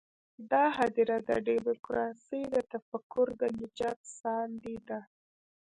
دا هدیره د ډیموکراسۍ د تفکر د نجات ساندې ده.